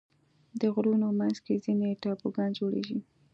د غرونو منځ کې ځینې ټاپوګان جوړېږي.